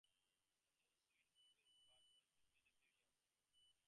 A lawsuit ensued but was dismissed a few years after.